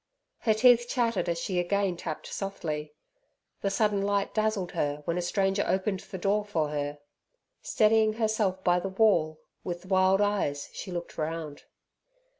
Her teeth chattered as she again tapped softly. The sudden light dazzled her when a stranger opened the door for her. Steadying herself by the wall, with wild eyes she looked around.